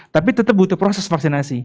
tapi tetap butuh proses vaksinasi